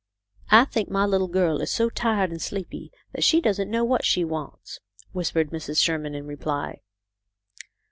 "" I think my little girl is so tired and sleepy that she doesn't know what she wants," whispered Mrs. Sherman, in reply.